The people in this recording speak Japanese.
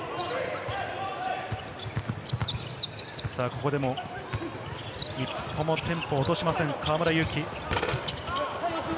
ここでも一歩もテンポを落としません、河村勇輝。